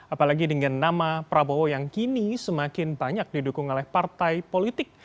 apalagi dengan nama prabowo yang kini semakin banyak didukung oleh partai politik